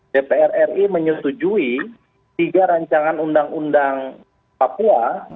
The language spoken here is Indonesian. dpr ri menyetujui tiga rancangan undang undang papua